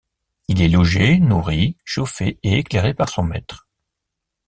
Il est logé, nourri, chauffé et éclairé par son maître.